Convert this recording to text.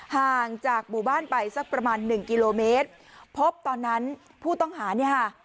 ห่างจากหมู่บ้านไปสักประมาณหนึ่งกิโลเมตรพบตอนนั้นผู้ต้องหาเนี่ยค่ะ